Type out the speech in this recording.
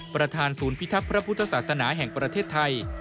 ประธานศูนย์พิทักษ์พระพุทธศาสนาแห่งประเทศไทย